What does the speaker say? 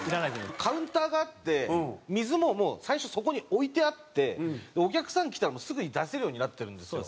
カウンターがあって水ももう最初そこに置いてあってお客さん来たらすぐに出せるようになってるんですよ。